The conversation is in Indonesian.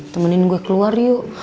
temenin gue keluar yuk